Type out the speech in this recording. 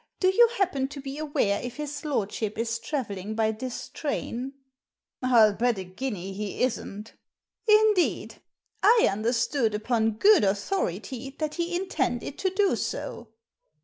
Do you happen to be aware if his lordship is travelling by this train?" « ril bet a guinea he isn't" " Indeed ! I understood, upon good authority, that he intended to do so."